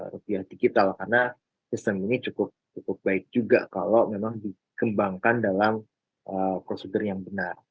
rupiah digital karena sistem ini cukup baik juga kalau memang dikembangkan dalam prosedur yang benar